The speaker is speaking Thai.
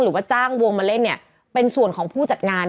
หรือว่าจ้างวงมาเล่นเนี่ยเป็นส่วนของผู้จัดงาน